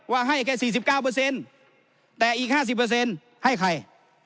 ว่าให้แค่สี่สิบเก้าเปอร์เซ็นต์แต่อีกห้าสิบเปอร์เซ็นต์ให้ใคร